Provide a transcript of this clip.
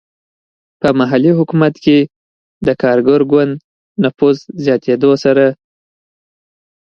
په محلي حکومت کې د کارګر ګوند نفوذ زیاتېدو سره.